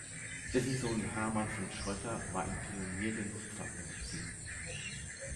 Dessen Sohn Hermann von Schrötter war ein Pionier der Luftfahrtmedizin.